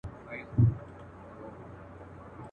ما ویل زه به ټول نغمه، نغمه سم.